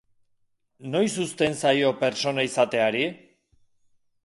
Noiz uzten zaio pertsona izateari?